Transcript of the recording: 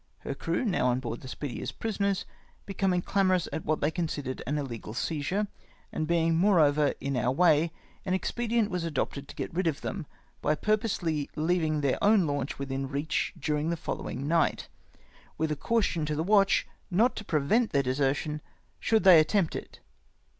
Her crew, now on board the Speedy as prisoners, be coming clamorous at what they considered an iUegal seizure, and being, moreover, in our way, an expedient was adopted to get rid of them, by purposely leaving their own launch within reach during the following night, with a caution to the watch not to prevent their desertion should they attempt it.